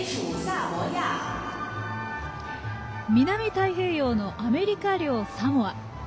南太平洋のアメリカ領サモア。